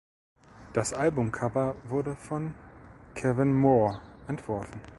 Das Albumcover wurde von Kevin Moore entworfen.